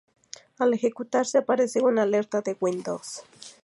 Al ejecutarse aparece una alerta de Windows.